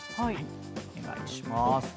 お願いします。